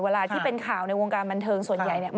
เวลาที่เป็นข่าวในวงการบันเทิงส่วนใหญ่เนี่ย